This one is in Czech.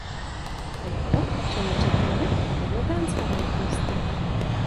To je to, čemu říkáme pravidlo transparentnosti.